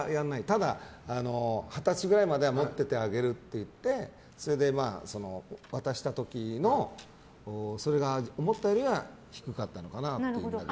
ただ、二十歳くらいまでは持っててあげるって言って渡した時のその金額が思ったよりも低かったのかなっていう。